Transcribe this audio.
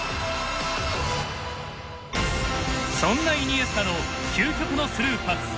そんなイニエスタの究極のスルーパス。